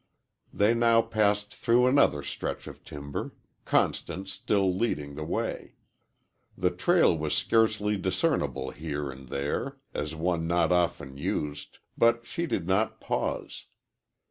They now passed through another stretch of timber, Constance still leading the way. The trail was scarcely discernible here and there, as one not often used, but she did not pause.